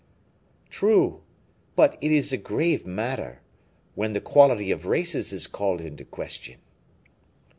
"True; but it is a grave matter, when the quality of races is called into question."